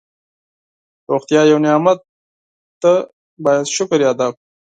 روغتیا یو نعمت ده باید شکر یې ادا کړو.